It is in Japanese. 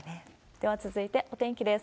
では続いてお天気です。